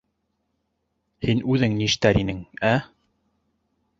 Һин үҙең ништәр инең, ә?!